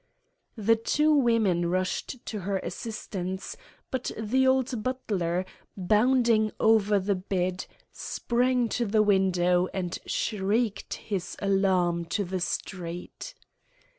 The two women rushed to her assistance, but the old butler, bounding over the bed, sprang to the window, and shrieked his alarm to the street.